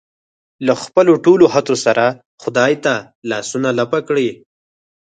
له خپلو ټولو هڅو سره خدای ته لاسونه لپه کړي.